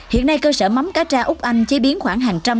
hiện nay cơ sở mắm cá cha úc anh chế biến khoảng hàng trăm